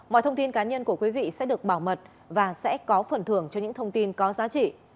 mọi thông tin cá nhân của quý vị sẽ được bảo mật và sẽ có phần thưởng cho những thông tin có giá trị